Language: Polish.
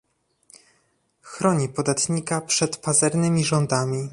Chroni podatnika przed pazernymi rządami